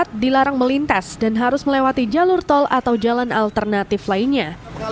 jalan jalan berat dilarang melintas dan harus melewati jalur tol atau jalan alternatif lainnya